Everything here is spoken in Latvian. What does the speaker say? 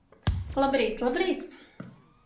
Labrīt, labrīt!